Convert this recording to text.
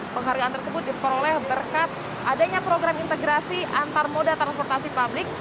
penghargaan tersebut diperoleh berkat adanya program integrasi antar moda transportasi publik